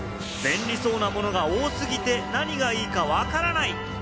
便利そうなものが多すぎて何がいいか分からない。